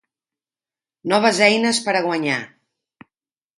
Noves eines per a guanyar.